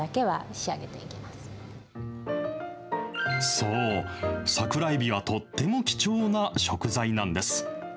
そう、桜えびはとっても貴重な食材なんです。